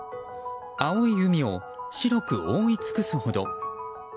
青い海を白く覆い尽くすほど。